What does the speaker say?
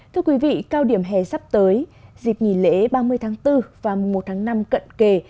thưa quý vị cao điểm hè sắp tới dịp nghỉ lễ ba mươi tháng bốn và mùa một tháng năm cận kề